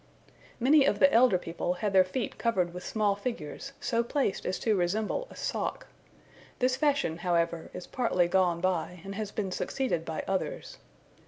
Many of the elder people had their feet covered with small figures, so placed as to resemble a sock. This fashion, however, is partly gone by, and has been succeeded by others.